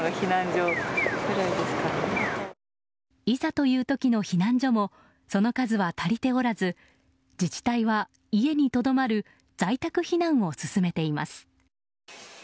いざという時の避難所もその数は足りておらず自治体は家にとどまる在宅避難を勧めています。